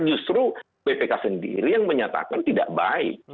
justru bpk sendiri yang menyatakan tidak baik